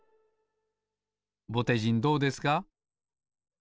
ぼてじんどうですか？